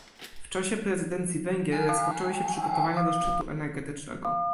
W czasie prezydencji Węgier rozpoczęły się przygotowania do szczytu energetycznego